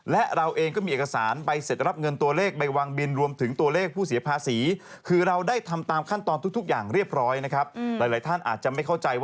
และเราเองก็มีเอกสารไปเสร็จรับเงินตัวเลขใบวางบินรวมถึงตัวเลขผู้เสียภาษี